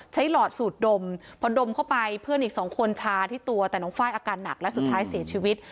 หลอดสูดดมพอดมเข้าไปเพื่อนอีกสองคนชาที่ตัวแต่น้องไฟล์อาการหนักและสุดท้ายเสียชีวิต